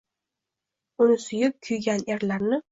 Uni suyib, kuygan erlarni.